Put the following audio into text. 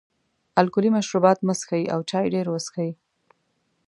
الکولي مشروبات مه څښئ او چای ډېر وڅښئ.